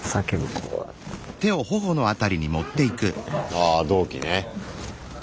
ああ同期ね。